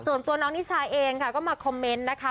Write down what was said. ส่วนตัวน้องนิชาเองค่ะก็มาคอมเมนต์นะคะ